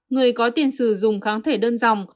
người có tiền sử dùng kháng thể đơn dòng